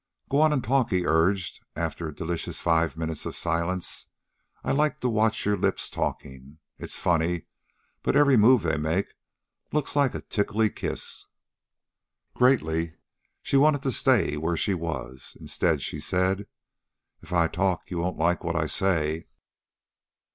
"Go on and talk," he urged, after a delicious five minutes of silence. "I like to watch your lips talking. It's funny, but every move they make looks like a tickly kiss." Greatly she wanted to stay where she was. Instead, she said: "If I talk, you won't like what I say."